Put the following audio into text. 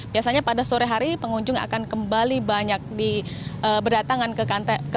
biasanya pada sore hari pengunjung akan kembali banyak di jembatan kenjaran ini dan mereka akan berada di rumah mereka